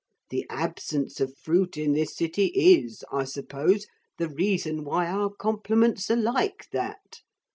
The absence of fruit in this city is, I suppose, the reason why our compliments are like that.